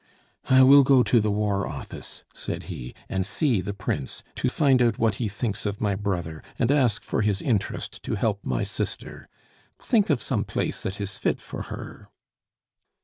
"I will go to the War Office," said he, "and see the Prince, to find out what he thinks of my brother, and ask for his interest to help my sister. Think of some place that is fit for her."